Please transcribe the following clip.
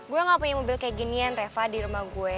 gue gak punya mobil kayak ginian reva di rumah gue